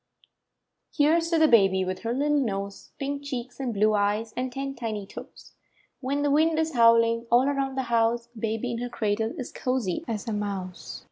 Kere's to the baby— ■ /With her little nose, Pink cheeks and blue eyes, And ten tiny toes. When the wind is howling All around the house, Baby in her cradle Is cozy as a mouse.